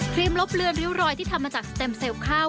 ลบเลือนริ้วรอยที่ทำมาจากสเต็มเซลล์ข้าว